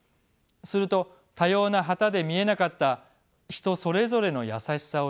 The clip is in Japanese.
すると多様な旗で見えなかった人それぞれの優しさを知る。